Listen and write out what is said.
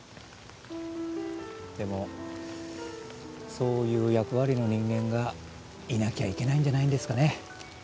でもそういう役割の人間がいなきゃいけないんじゃないんですかね。